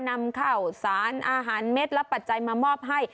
นำข้าวสารอาหารเม็ดและปัจจัยมามอบให้